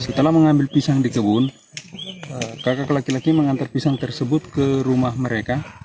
setelah mengambil pisang di kebun kakak laki laki mengantar pisang tersebut ke rumah mereka